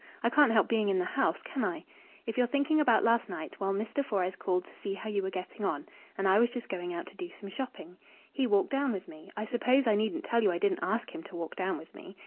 I can't help being in the house, can I? If you're thinking about last night, well, Mr. Fores called to see how you were getting on, and I was just going out to do some shopping. He walked down with me. I suppose I needn't tell you I didn't ask him to walk down with me.